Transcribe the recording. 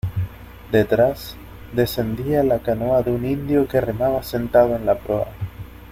detrás, descendía la canoa de un indio que remaba sentado en la proa.